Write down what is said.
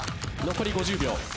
残り５０秒。